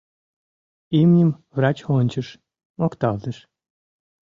Имньым врач ончыш, мокталтыш: